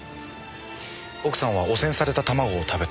奥さんは汚染された卵を食べた。